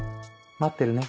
待ってるね。